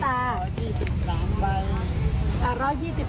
รางวัลอะไรดี